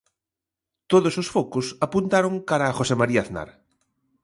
Todos os focos apuntaron cara a José María Aznar.